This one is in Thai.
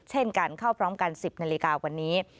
เช่นกันเข้าพร้อมกัน๑๐นาฬิกาวันนี้